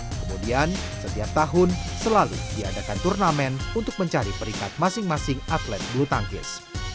kemudian setiap tahun selalu diadakan turnamen untuk mencari peringkat masing masing atlet bulu tangkis